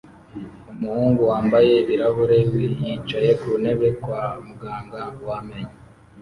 Umuhungu wambaye ibirahuri yicaye ku ntebe kwa muganga w’amenyo